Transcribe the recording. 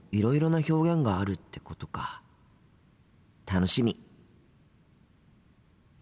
楽しみ。